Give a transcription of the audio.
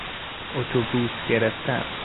اتوبوس گرفتن